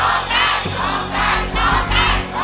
ร้องได้ร้องได้ร้องได้